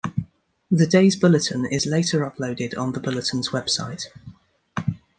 The day's bulletin is later uploaded on the bulletin's website.